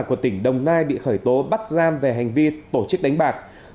của tỉnh đồng nai bị khởi tố bắt giam về hành vi tổ chức đánh bạc